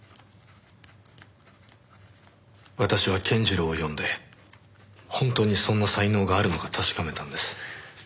私は健次郎を呼んで本当にそんな才能があるのか確かめたんです。